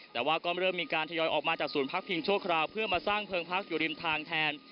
แต่ว่าก็เริ่มมีการทยอยออกมาจากศูนย์พักพิงชั่วคราวเพื่อมาสร้างเพลิงพักอยู่ริมทางแทน